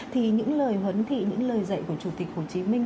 thì những lời huấn thị những lời dạy của chủ tịch hồ chí minh